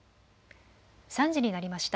３時になりました。